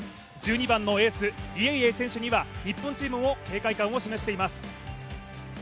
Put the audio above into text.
１２番のエース、リ・エイエイ選手には日本チームも警戒感を示しています。